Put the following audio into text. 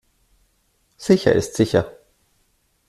Sicher ist sicher.